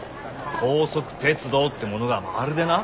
高速鉄道ってものがまるでな。